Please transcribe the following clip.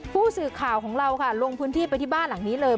ผู้สื่อข่าวของเราค่ะลงพื้นที่ไปที่บ้านหลังนี้เลย